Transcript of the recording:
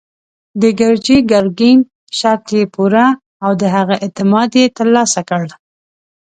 د ګرجي ګرګين شرط يې پوره او د هغه اعتماد يې تر لاسه کړ.